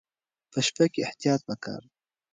په شپه کې احتیاط پکار دی.